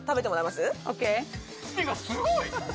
すごい！